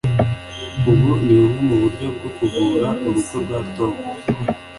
ubu ni bumwe mu buryo bwo kuvura urugo rwa tom